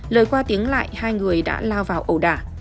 lời qua tiếng lại hai người đã lao vào ẩu đả